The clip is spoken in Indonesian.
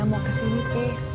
mau kesini sih